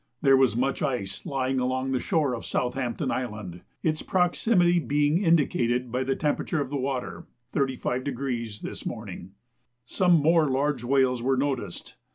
There was much ice lying along the shore of Southampton Island, its proximity being indicated by the temperature of the water (35°) this morning. Some more large whales were noticed.